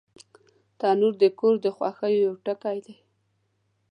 تنور د کور د خوښیو یو ټکی دی